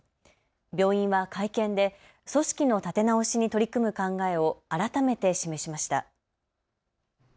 病院は会見で組織の立て直しに取り組む考えを改めて示しました。